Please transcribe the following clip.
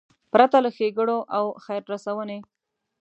پرته له ښېګړو او خیر رسونې.